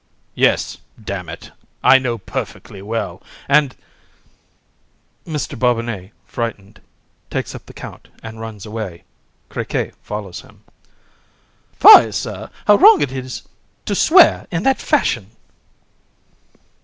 HAR. Yes, d it, I know perfectly well; and ... MR. BOBINET, frightened, takes up the COUNT, and runs away; CRIQUET follows him. COUN. Fie, Sir! How wrong it is to swear in that fashion!